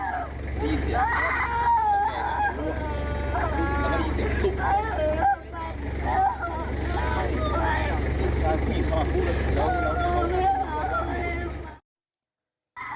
ีเสีย